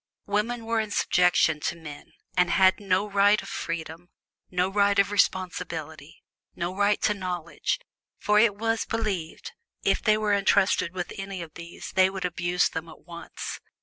Women were in subjection to men, and had no right of freedom, no right to responsibility, no right to knowledge, for, it was believed, if they were entrusted with any of these they would abuse them at once.